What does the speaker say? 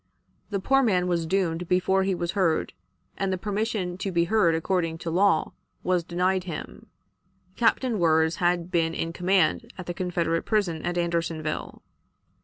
The poor man was doomed before he was heard, and the permission to be heard according to law was denied him. Captain Wirz had been in command at the Confederate prison at Andersonville.